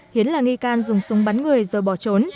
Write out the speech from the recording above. hiến là nghi can dùng súng bắn người rồi bỏ trốn